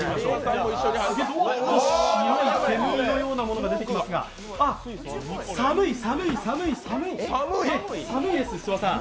白い煙のようなものが出てきましたが、あっ、寒い、寒い、寒い、寒い寒いです、諏訪さん。